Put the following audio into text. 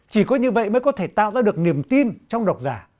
chỉ có như vậy mới có thể tạo ra được niềm tin trong đọc giả